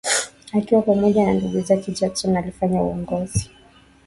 Akiwa pamoja na ndugu zake Jackson alifanya uongozi